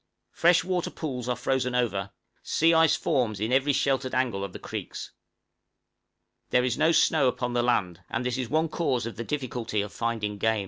Fresh water pools are frozen over, sea ice forms in every sheltered angle of the creeks. There is no snow upon the land, and this is one cause of the difficulty of finding game.